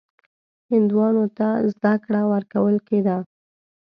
هندوانو ته زده کړه ورکول کېده.